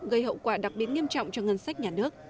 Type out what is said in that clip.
gây hậu quả đặc biệt nghiêm trọng cho ngân sách nhà nước